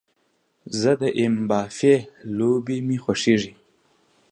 زه د ایم با في لوبه مې خوښیږي